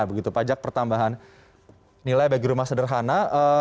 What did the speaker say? begitu pajak pertambahan nilai bagi rumah sederhana